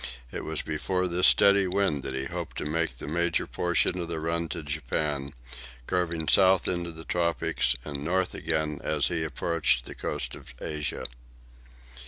It was before this steady wind that he hoped to make the major portion of the run to Japan, curving south into the tropics and north again as he approached the coast of Asia.